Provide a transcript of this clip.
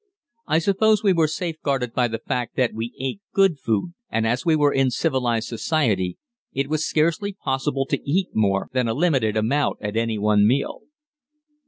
I suppose we were safeguarded by the fact that we ate good food, and as we were in civilized society it was scarcely possible to eat more than a limited amount at any one meal.